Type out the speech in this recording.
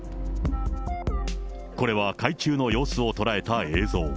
これは海中の様子を捉えた映像。